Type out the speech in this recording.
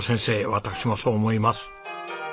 私もそう思います。